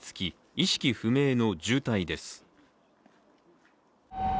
意識不明の重体です。